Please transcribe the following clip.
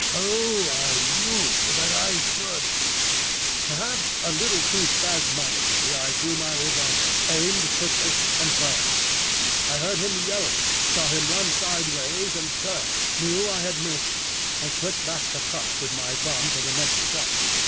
"Who are you that I should—" Perhaps a little too spasmodically I drew my revolver, aimed quickly and fired. I heard him yelp, saw him run sideways and turn, knew I had missed, and clicked back the cock with my thumb for the next shot.